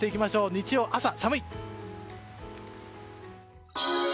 日曜朝、寒い！